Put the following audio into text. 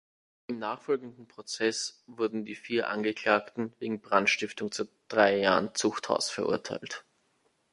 Im nachfolgenden Prozess wurden die vier Angeklagten wegen Brandstiftung zu drei Jahren Zuchthaus verurteilt.